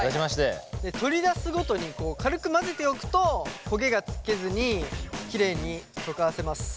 取り出すごとに軽く混ぜておくと焦げがつけずにきれいに溶かせます。